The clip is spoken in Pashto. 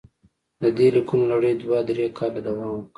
د دې لیکونو لړۍ دوه درې کاله دوام وکړ.